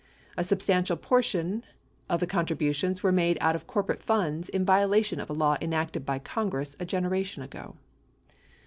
A substantial portion of the contributions were made out of corporate funds in violation of a law enacted by Congress a generation ago.